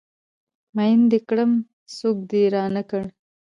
ميين د کړم سوک د رانه کړ